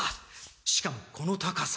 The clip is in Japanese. しかもこの高さ。